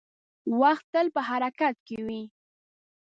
• وخت تل په حرکت کې وي.